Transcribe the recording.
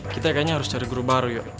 kita kayaknya harus cari guru baru yuk